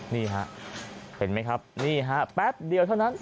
นี่ฮะเห็นไหมครับนี่ฮะแป๊บเดียวเท่านั้น